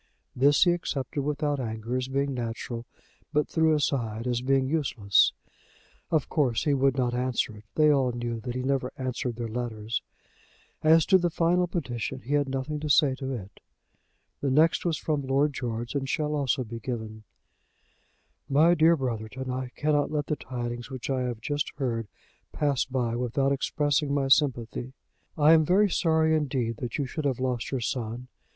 This he accepted without anger as being natural, but threw aside as being useless. Of course he would not answer it. They all knew that he never answered their letters. As to the final petition he had nothing to say to it. The next was from Lord George, and shall also be given: "MY DEAR BROTHERTON, I cannot let the tidings which I have just heard pass by without expressing my sympathy. I am very sorry indeed that you should have lost your son.